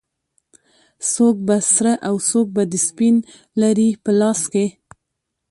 څوک به سره او څوک به سپین لري په لاس کې